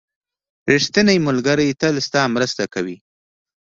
• ریښتینی ملګری تل ستا مرسته کوي.